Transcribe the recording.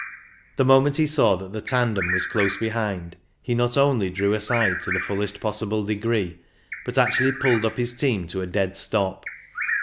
The moment he saw that the tandem was close behind, he not only drew aside to the fullest possible degree, but actually pulled up his team to a dead stop.